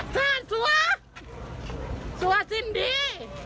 สว่าสว่าสิ้นดี